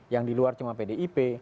yang di luar cuma pdip